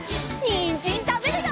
にんじんたべるよ！